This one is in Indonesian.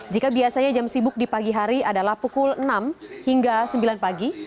jika biasanya jam sibuk di pagi hari adalah pukul enam hingga sembilan pagi